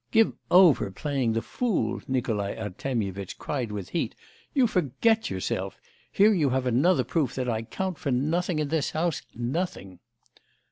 'Give over playing the fool!' Nikolai Artemyevitch cried with heat. 'You forget yourself! Here you have another proof that I count for nothing in this house, nothing!